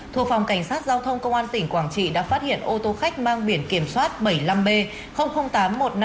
thuộc phòng cảnh sát giao thông công an tỉnh quảng trị đã phát hiện ô tô khách mang biển kiểm soát bảy mươi năm b tám trăm một mươi năm